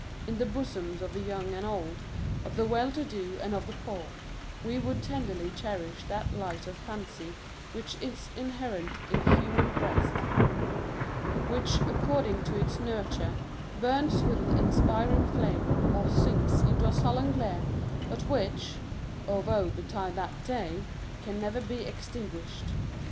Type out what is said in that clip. In the bosoms of the young and old, of the well to do and of the poor, we would tenderly cherish that light of Fancy which is inherent in the human breast ; which, according to its nurture, burns with an inspiring flame, or sinks into a sullen glare, but which (or woe betide that day !) can never be extinguished.